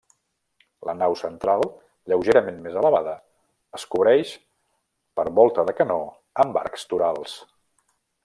La nau central lleugerament més elevada, es cobreix per volta de canó amb arcs torals.